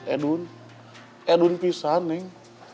eh dun eh dun pisang neng